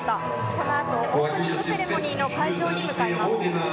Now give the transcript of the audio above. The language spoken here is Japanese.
このあとオープニングセレモニーの会場に向かいます。